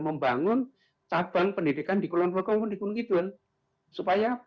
membangun cabang pendidikan di kulon rokong di gunung kidul supaya apa persebaran itu lalu nanti